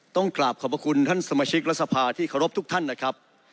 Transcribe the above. ต้องกราบขอบพระคุณท่านสมาชิกรัฐสภาที่เคารพทุกท่านนะครับ